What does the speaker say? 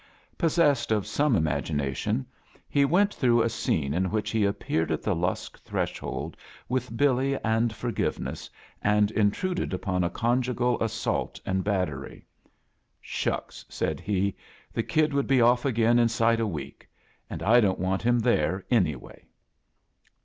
Possessed of some imagination, he went through a scene in which he appeared at the Losk threshold with Billy and forgiveness, and intruded upon a conjugal assault and bat tery» " Shucks t" said he* "The kid would be off again inside a week. And I don't want him there, anyway."